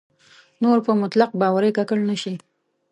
نور په مطلق باورۍ ککړ نه شي.